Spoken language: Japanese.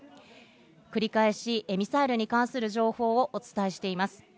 繰り返し、ミサイルに関する情報をお伝えします。